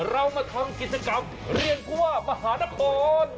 เรามาทำกิจกรรมเรียนผู้ว่ามหานคร